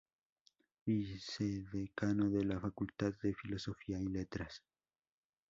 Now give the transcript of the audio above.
Vicedecano de la Facultad de Filosofía y Letras.